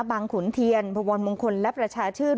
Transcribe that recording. ขุนเทียนพวรมงคลและประชาชื่น